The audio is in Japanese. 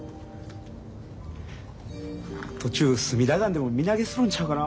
途中隅田川にでも身投げするんちゃうかな